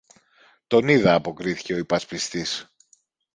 τον είδα, αποκρίθηκε ο υπασπιστής.